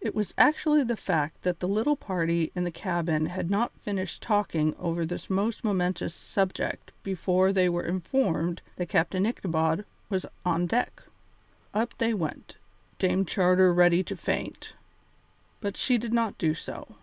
It was actually the fact that the little party in the cabin had not finished talking over this most momentous subject before they were informed that Captain Ichabod was on deck. Up they went, Dame Charter ready to faint. But she did not do so.